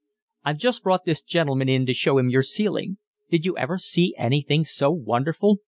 "I've just brought this gentleman in to show him your ceiling. Did you ever see anything so wonderful?